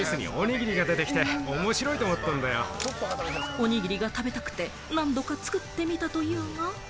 おにぎりが食べたくて何度か作ってみたというが。